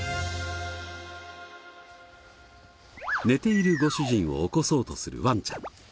寝ているご主人を起こそうとするワンちゃん。